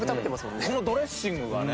このドレッシングがね